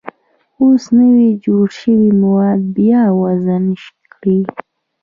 اوس نوي جوړ شوي مواد بیا وزن کړئ.